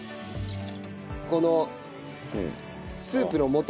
このスープの素。